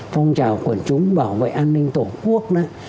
phong trào quần chúng bảo vệ an ninh tổ quốc